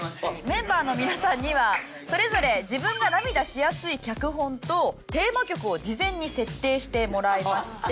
メンバーの皆さんにはそれぞれ自分が涙しやすい脚本とテーマ曲を事前に設定してもらいまして。